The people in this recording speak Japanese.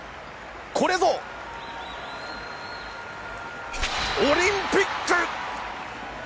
これぞ、オリンピック！